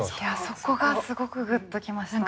そこがすごくグッときました。